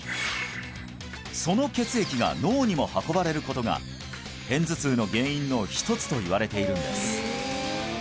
その血液が脳にも運ばれることが片頭痛の原因の１つといわれているんです